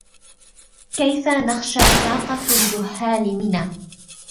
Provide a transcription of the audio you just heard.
كيف نخشى فاقة الجهال من